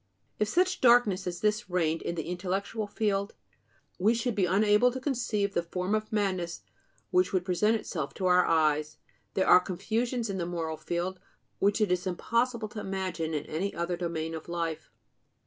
If such darkness as this reigned in the intellectual field, we should be unable to conceive the form of madness which would present itself to our eyes. There are confusions in the moral field which it is impossible to imagine in any other domain of life.